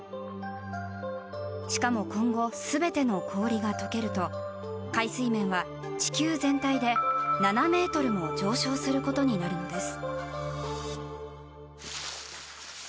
しかも今後、全ての氷が解けると海水面は地球全体で７ｍも上昇することになるのです。